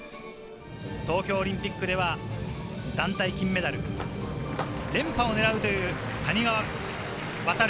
東京オリンピックでは団体金メダル、連覇を狙うという谷川航。